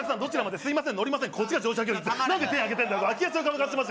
すいません